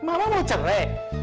mama mau cerai